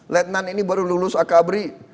letnan ini baru lulus akabri